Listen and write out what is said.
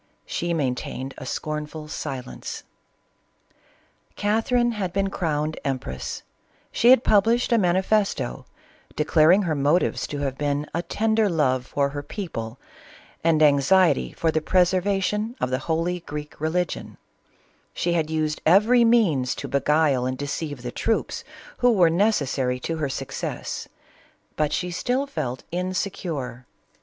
She maintained a scornful silence. Catherine had been crowned empress ; she had pub lished a manifesto, declaring her motives to have been a tender love for her people, and anxiety for the pres ervation of the holy Greek religion; she had used every means to beguile and deceive the troops, who were necessary to her success ; but she still felt inse 408 CATHERINE OF RUSSIA. cure.